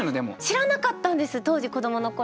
知らなかったんです当時子どもの頃は。